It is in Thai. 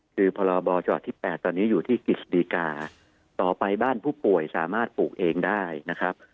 คือพรบจังหวัดที่๘ตอนนี้อยู่ที่กฤษฎีกาต่อไปบ้านผู้ป่วยสามารถปลูกเองได้นะครับ